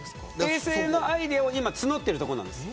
衛星のアイデアを今、募ってるところなんです。